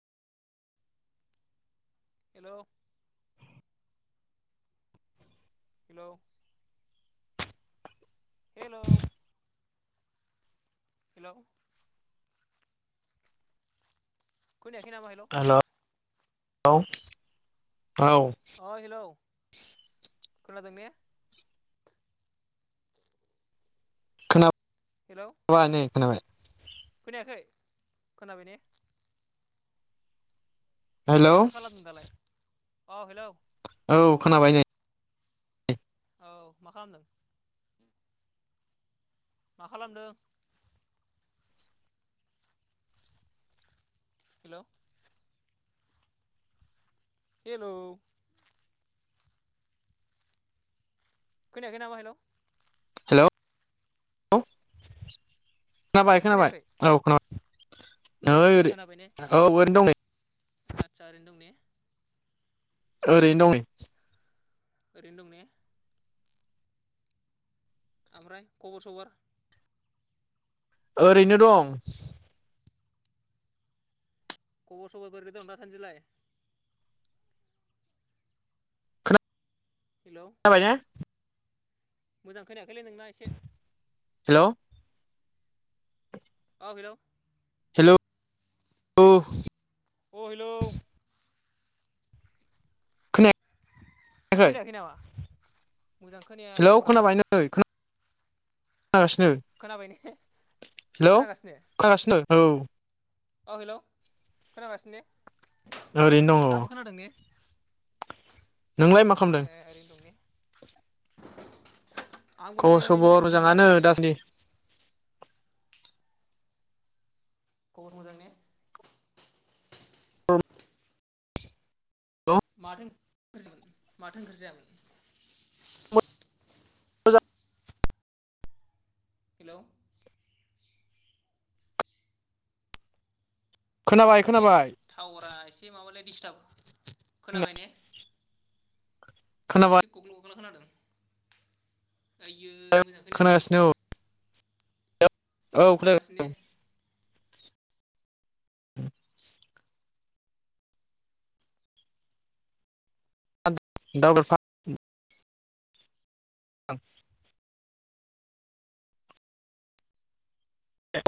हेल' hello hello hello खोनायाखै नामा? Hello औ अ हेलौ। खोनादों ने? हेलौ खोनाब अ आनै खोनाबाय। खोनायाखै खोनाबाय ने? हेलौ माथो खालामदों दालाय? औ हेलौ। औ खोनाबाय नै। औ मा खामदों? मा खालामदों? हेलौ हेल' खोनायाखै नामा? हेल' हेलौ खोनाबाय खोनाबाय खोनायाखै औ खोनाब ओइ ओरै औ ओरैनो दं नै। आतसा ओरै दं ने? ओरैनो दं नै। ओरैनो दं ने ओमफ्राय खबर सबर? ओरैनो दं। खबर सबर बैरै दं दासानदिलाय? हेलौ जाबायना? मोजां खोनाया खैलै नोंना एसे हेल' औ हेल' औ औ हेलौ खोनायाखै नामा? मोजां खोनाया हेलौ टावारानो नागासिनो खोनाबाय ने हेलौ खोनागासिनो औ अ हेल' खोनागासिनो ने ओरैनो दङ दाबो खोनादों ने? नोंलाय मा खालामदों? ए ओरैनो दं ने आंबो नै खबर ओरैनो दं सबर मोजाङानो जिरलाबायनानै दासान्दि। खबर मोजां ने माथो [inaudible] माथो ओंख्रि जायामोन? हेलौ खोनाबाय एसे खोनाबाय टावरा एसे माबालाय दिस्टाब खोनाबाय ने? खोनाबाय एसे गग्ल' ग ग्ल' खोनादों आयो खोनासिनो औ औ खोनागासिनो ने खोनादों [inaudible] [unintelligible] [unintelligible]